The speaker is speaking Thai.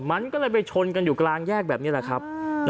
มันก็เลยไปชนกันอยู่กลางแยกแบบนี้แหละครับ